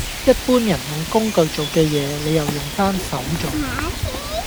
一般人用工具做嘅嘢，你又用返手做